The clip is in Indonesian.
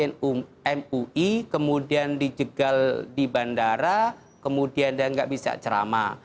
di mana wasaik jnmui kemudian dijegal di bandara kemudian dia tidak bisa ceramah